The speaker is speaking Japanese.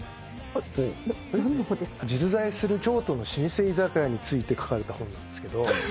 実在する京都の老舗居酒屋について書かれた本なんですけど。